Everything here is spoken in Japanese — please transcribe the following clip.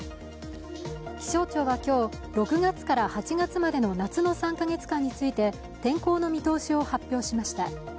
気象庁は今日、６月から８月までの夏の３カ月間について天候の見通しを発表しました。